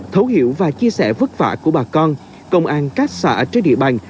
thấu hiểu và chia sẻ vất vả của bà con công an các xã trên địa bàn